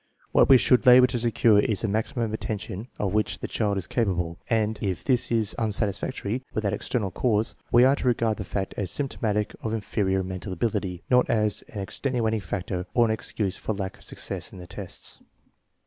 What we should labor to secure is the maximum attention of which the child is capable, and if this is unsatisfactory without external cause, we are to regard the fact as symptomatic of inferior mental ability, not as an extenuating factor or an excuse for lack of success in the tests.